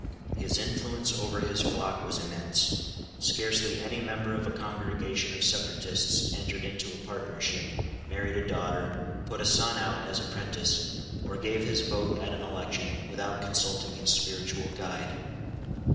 His influence over his flock was immense. Scarcely any member of a congregation of separatists entered into a partnership, married a daughter, put a son out as apprentice, or gave his vote at an election, without consulting his spiritual guide.